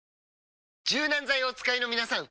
柔軟剤をお使いのみなさん！